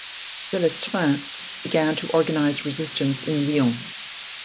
Delestraint began to organize resistance in Lyon.